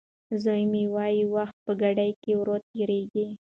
زوی مې وايي وخت په ګاډي کې ورو تېرېږي.